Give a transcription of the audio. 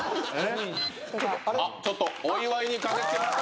あっちょっとお祝いに駆け付けました。